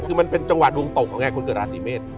คือมันเป็นจังหวะดวงตกของไงคนเกิดราศีเมษ